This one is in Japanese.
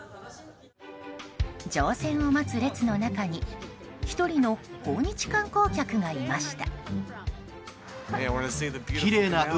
乗船を待つ列の中に１人の訪日観光客がいました。